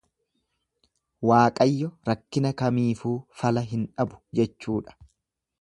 Waaqayyo rakkina kamiifuu fala hin dhabu jechuudha.